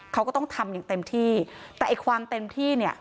เขาก็ต้องทำอย่างเต็มที่แต่ไอ้ความเต็มที่เนี่ย